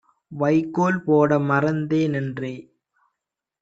வைக்கோல் போட மறந்தே னென்றே